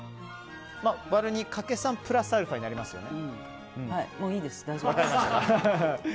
割る２、かけ３プラスアルファになりますよね。